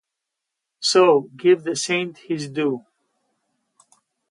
So, give the saint his due.